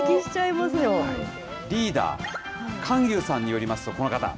リーダー、貫牛さんによりますと、この方。